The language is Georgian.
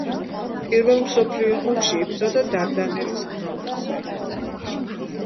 პირველ მსოფლიო ომში იბრძოდა დარდანელის ფრონტზე.